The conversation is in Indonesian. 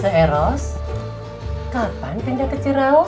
seheros kapan pindah ke ciraus